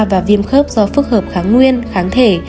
và viêm khớp do phức hợp kháng nguyên kháng thể